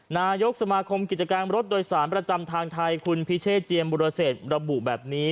นายกสมาคมกิจการรถโดยสารประจำทางไทยคุณพิเชษเจียมบุรเศษระบุแบบนี้